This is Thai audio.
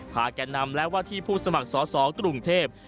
แก่นำและว่าที่ผู้สมัครสอสอกรุงเทพ